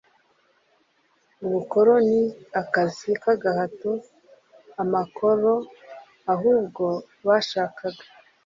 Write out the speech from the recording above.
ubukoroni akazi k agahato amakoronb ahubwo bashakaga